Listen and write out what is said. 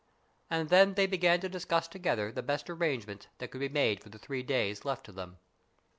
And then they began to discuss together the best arrangements that could be made for the three days left to them.